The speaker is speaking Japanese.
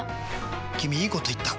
君いいこと言った！